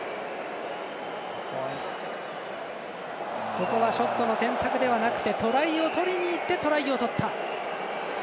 ここはショットの選択ではなくてトライを取りにいってトライを取った。